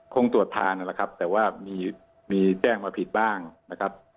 คงตรวจทานนั่นแหละครับแต่ว่ามีแจ้งมาผิดบ้างนะครับ